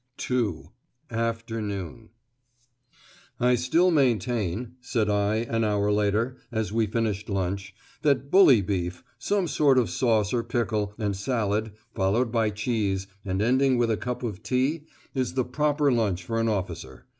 II. AFTERNOON "I still maintain," said I, an hour later, as we finished lunch, "that bully beef, some sort of sauce or pickle, and salad, followed by cheese, and ending with a cup of tea, is the proper lunch for an officer.